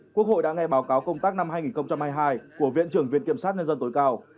quốc hội đã nghe báo cáo công tác năm hai nghìn hai mươi hai của viện trưởng viện kiểm sát nhân dân tối cao